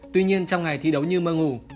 tuy nhiên trong ngày thi đấu như mơ ngủ